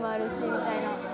みたいな。